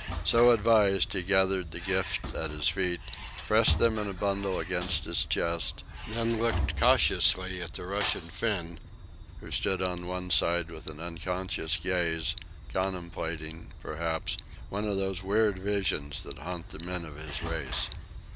So advised, he gathered the gifts at his feet, pressed them in a bundle against his breast, then looked cautiously at the Russian Finn, who stood on one side with an unconscious gaze, contemplating, perhaps, one of those weird visions that haunt the men of his race.